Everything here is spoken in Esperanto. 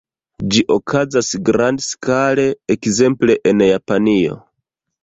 Ĝi okazas grandskale, ekzemple en Japanio.